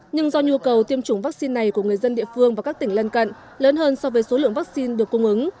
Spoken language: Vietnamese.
nhưng do nhu cầu tiêm chủng vaccine này của người dân địa phương và các tỉnh lân cận lớn hơn so với số lượng vaccine được cung ứng